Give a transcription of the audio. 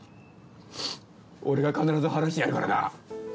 俺が必ず晴らしてやるからな。